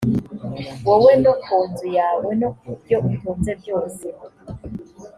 wowe no ku nzu yawe no ku byo utunze byose